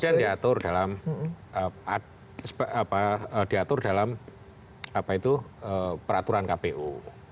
iya dan itu kemudian diatur dalam peraturan kpu